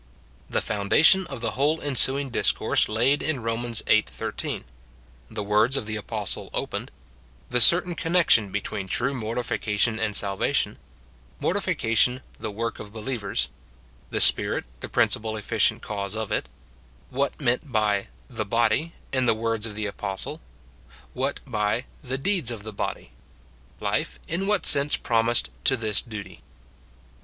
The foundation of the whole ensuing discourse laid in Rom. viii. 13 — The words of the apostle opened — The certain connection between true mortification and salvation — Mortification the work of believers — The Spirit the principal efficient cause of it — What meant by " the body" in the words of the apostle — What by " the deeds of the body" — Life, in what sense promised to this duty.